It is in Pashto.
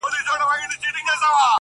لا هنوز لرم يو لاس او يوه سترگه؛